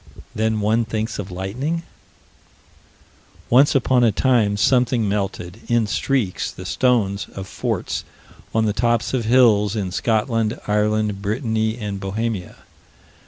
Then one thinks of lightning? Once upon a time something melted, in streaks, the stones of forts on the tops of hills in Scotland, Ireland, Brittany, and Bohemia.